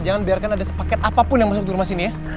jangan biarkan ada paket apapun yang masuk di rumah sini ya